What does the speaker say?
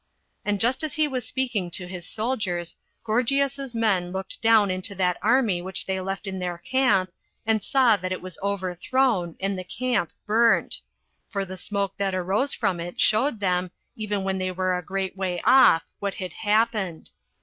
And just as he was speaking to his soldiers, Gorgias's men looked down into that army which they left in their camp, and saw that it was overthrown, and the camp burnt; for the smoke that arose from it showed them, even when they were a great way off, what had happened.